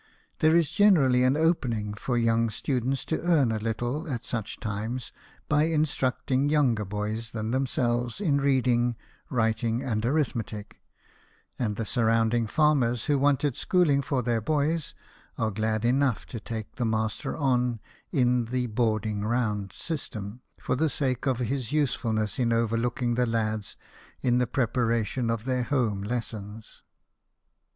There is generally an opening for young stu dents to earn a little at such times by instruct ing younger boys than themselves in reading, writing, and arithmetic ; and the surrounding fanners, who want schooling for their boys, are glad enough to take the master in on the " bearding round" system, for the sake of his usefulness in overlooking the lads in the pre paration of their home lessons.